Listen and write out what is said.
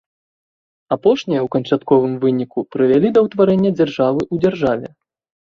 Апошнія, у канчатковым выніку, прывялі да ўтварэння дзяржавы ў дзяржаве.